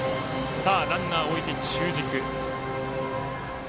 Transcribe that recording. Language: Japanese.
ランナー置いて、中軸。